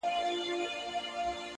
o انسان حیوان دی، حیوان انسان دی،